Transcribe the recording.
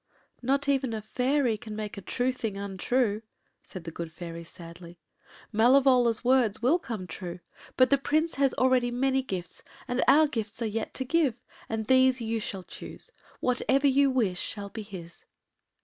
” “Not even a fairy can make a true thing untrue,” said the good fairies sadly. “Malevola’s words will come true; but the Prince has already many gifts, and our gifts are yet to give, and these you shall choose. Whatever you wish shall be his.